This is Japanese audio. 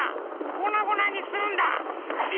こなごなにするんだ！